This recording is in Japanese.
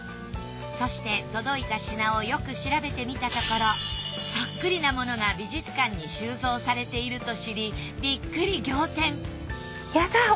そして届いた品をよく調べてみたところそっくりな物が美術館に収蔵されていると知りビックリ